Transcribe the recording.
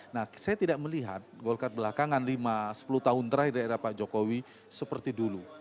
nah saya tidak melihat golkar belakangan lima sepuluh tahun terakhir di era pak jokowi seperti dulu